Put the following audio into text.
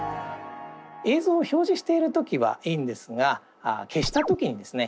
映像を表示している時はいいんですが消したときにですね